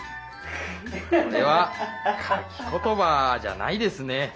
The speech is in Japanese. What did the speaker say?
これはかきことばじゃないですね。